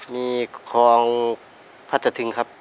มีคลองพระตะทิงครับ